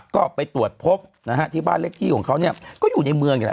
ก็ไปตรวจพบนะฮะที่บ้านเลขที่ของเขาเนี่ยก็อยู่ในเมืองนี่แหละ